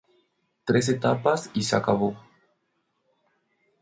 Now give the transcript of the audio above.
Tres etapas y se acabó.